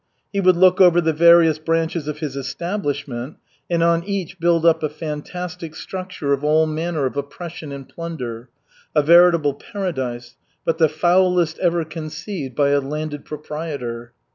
He would look over the various branches of his establishment and on each build up a fantastic structure of all manner of oppression and plunder a veritable paradise, but the foulest ever conceived by a landed proprietor.